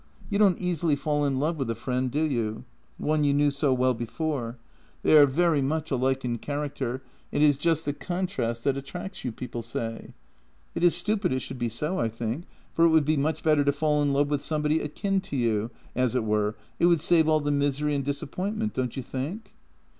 You don't easily fall in love with a friend, do you? One you knew so well before. They are very much JENNY 64 alike in character, and it is just the contrast that attracts you, people say. It is stupid it should be so, I think, for it would be much better to fall in love with somebody akin to you, as it were; it would save all the misery and disappointment, don't you think?